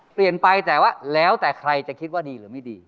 เปลี่ยนไปแต่ว่าแล้วแต่ใครจะคิดว่าดีหรือไม่ดี